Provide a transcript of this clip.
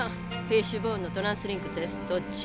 １フィッシュボーンのトランスリンクテスト中。